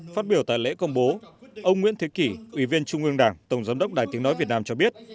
phát biểu tại lễ công bố ông nguyễn thế kỷ ủy viên trung ương đảng tổng giám đốc đài tiếng nói việt nam cho biết